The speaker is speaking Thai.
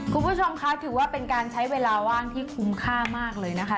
คุณผู้ชมคะถือว่าเป็นการใช้เวลาว่างที่คุ้มค่ามากเลยนะคะ